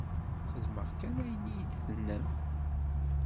Xedmeɣ kan ayen i yi-d-tennam.